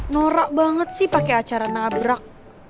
nora banget sih pake acara nabrak